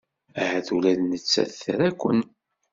Ahat ula d nettat tra-ken.